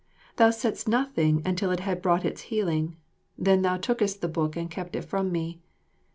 Thou saidst nothing until it had brought its healing, then thou tookest the book and kept it from me.